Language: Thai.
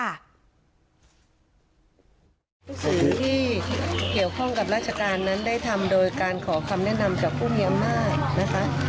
สื่อที่เกี่ยวข้องกับราชการนั้นได้ทำโดยการขอคำแนะนำจากผู้มีอำนาจนะคะ